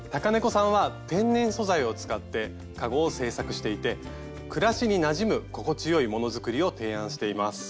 ｔａｋａｎｅｃｏさんは天然素材を使ってかごを製作していて暮らしになじむ心地よい物作りを提案しています。